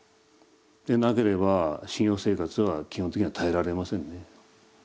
でなければ修行生活は基本的には耐えられませんね。